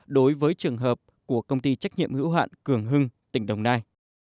đối với trường hợp của công ty trách nhiệm hữu hạn cường hưng tỉnh đồng nai